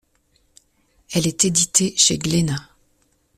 Elle est éditée chez Glénat.